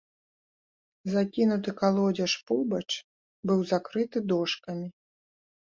Закінуты калодзеж побач быў закрыты дошкамі.